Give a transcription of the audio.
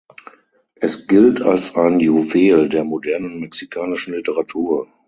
Es gilt als ein Juwel der modernen mexikanischen Literatur.